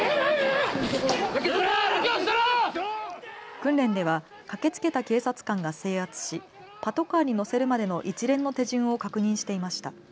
訓練では駆けつけた警察官が制圧しパトカーに乗せるまでの一連の手順を確認していました。